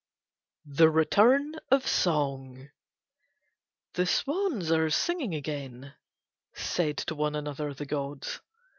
THE RETURN OF SONG "The swans are singing again," said to one another the gods.